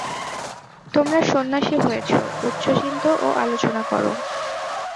তোমরা সন্ন্যাসী হয়েছ, উচ্চ চিন্ত ও আলোচনা কর।